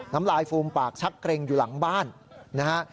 น้ำลายฟูมปากชักเกร็งอยู่หลังบ้านนะฮะ